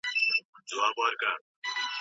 هغوی به نظام پر خپل ځای وساتي.